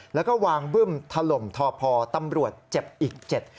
แล้วก็วางบึ้มถล่มทอพอตำรวจเจ็บอีกเจ็ด